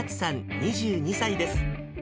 ２２歳です。